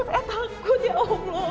saya takut ya allah